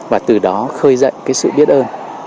và từ đó khơi dậy cái sự biết ơn